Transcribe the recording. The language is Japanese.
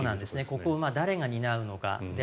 ここを誰が担うのか。